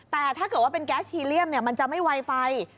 แต่ถ้าเกิดว่าเป็นแก๊สฮีเรียมมันจะไม่ไวไฟ